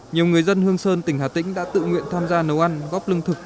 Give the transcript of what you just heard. nhiều người dân hương sơn tỉnh hà tĩnh đã tự nguyện tham gia nấu ăn góp lương thực